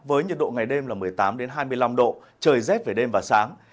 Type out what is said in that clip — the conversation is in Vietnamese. với nhiệt độ ngày đêm là một mươi tám hai mươi năm độ trời rét về đêm và sáng